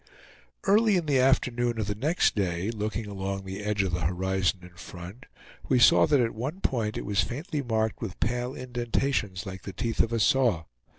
Early in the afternoon of the next day, looking along the edge of the horizon in front, we saw that at one point it was faintly marked with pale indentations, like the teeth of a saw.